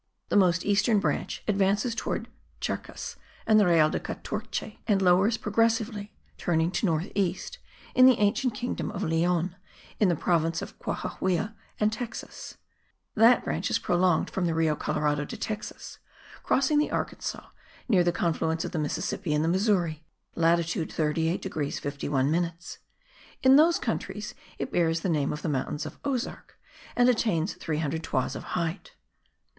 The most eastern branch advances towards Charcas and the Real de Catorce, and lowers progressively (turning to north east) in the ancient kingdom of Leon, in the province of Cohahuila and Texas. That branch is prolonged from the Rio Colorado de Texas, crossing the Arkansas near the confluence of the Mississippi and the Missouri (latitude 38 degrees 51 minutes). In those countries it bears the name of the Mountains of Ozark,* and attains 300 toises of height.